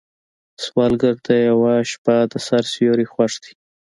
سوالګر ته یوه شپه د سر سیوری خوښ دی